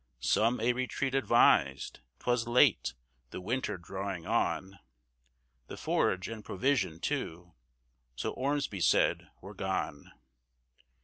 Some a retreat advised; 'twas late; the winter drawing on; The forage and provision, too, so Ormsby said, were gone.